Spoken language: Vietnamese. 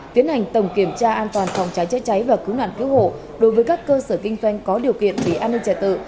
tiến hành tổng kiểm tra an toàn phòng cháy chữa cháy và cứu nạn cứu hộ đối với các cơ sở kinh doanh có điều kiện về an ninh trật tự